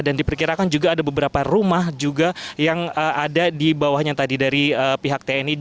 dan diperkirakan juga ada beberapa rumah juga yang ada di bawahnya tadi dari pihak tni